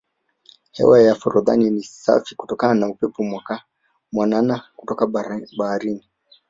hewa ya forodhani ni safi kutokana na upepo mwanana kutoka baharini